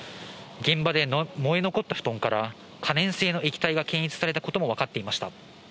現場で燃え残った布団から、可燃性の液体が検出されたことも分かっていました。